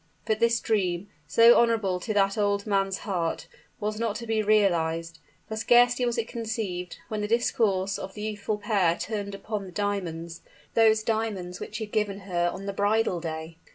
But this dream so honorable to that old man's heart was not to be realized; for scarcely was it conceived, when the discourse of the youthful pair turned upon the diamonds those diamonds which he had given her on the bridal day!